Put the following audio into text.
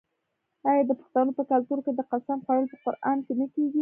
آیا د پښتنو په کلتور کې د قسم خوړل په قران نه کیږي؟